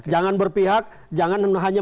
jangan berpihak jangan hanya